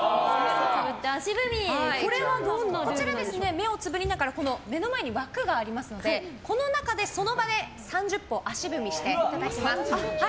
目をつぶりながら目の前に枠がありますのでこの中でその場で３０歩足踏みしていただきます。